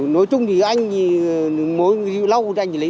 nói chung thì anh mỗi lâu anh thì lấy hai mươi